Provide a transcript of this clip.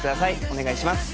お願いします。